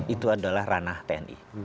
itu adalah ranah tni